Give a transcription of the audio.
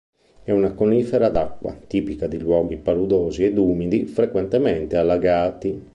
È una conifera d'acqua, tipica di luoghi paludosi ed umidi, frequentemente allagati.